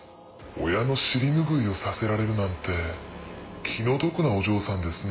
親の尻拭いをさせられるなんて気の毒なお嬢さんですね。